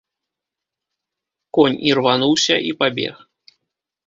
Конь ірвануўся і пабег.